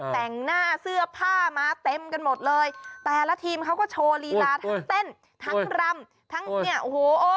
แต่งหน้าเสื้อผ้ามาเต็มกันหมดเลยแต่ละทีมเขาก็โชว์ลีลาทั้งเต้นทั้งรำทั้งเนี่ยโอ้โห